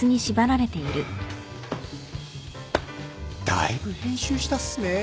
だいぶ編集したっすねぇ